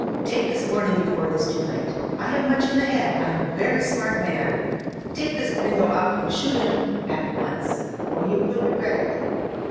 Take this warning be fore it is too late. I have much in the head. I am a very smart man. Take this Gringo out and shoot him — at once. Or you will regret it."